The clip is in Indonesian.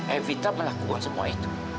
evita melakukan semua itu